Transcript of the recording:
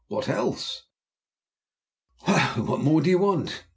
"What else?" "Why, what more do you want?